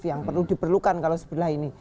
yang perlu diperlukan kalau sebelah ini